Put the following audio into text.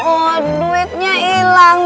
oh duitnya ilang